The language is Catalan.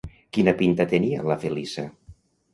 Quina pinta tenia la Feliça?